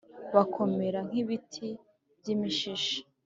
bakomera nk’ibiti by’imishishi!